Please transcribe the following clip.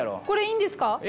これいいんですか？